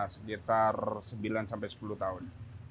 sekitar sembilan sampai sepuluh tahun